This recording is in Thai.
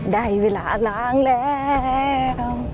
ได้เวลาล้างแล้ว